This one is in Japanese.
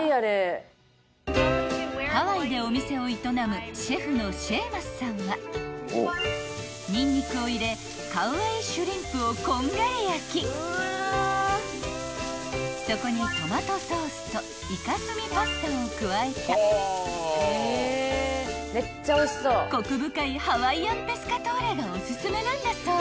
［ハワイでお店を営むシェフのシェーマスさんはにんにくを入れカウアイシュリンプをこんがり焼きそこにトマトソースとイカ墨パスタを加えたコク深いハワイアンペスカトーレがおすすめなんだそう］